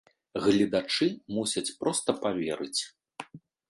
Гледачы мусяць проста паверыць.